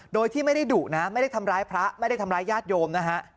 โดยที่ไม่ได้ดุนะไม่ได้ทำร้ายพระไม่ได้ทำร้ายญาติโยมนะฮะ